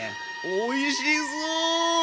おいしそう！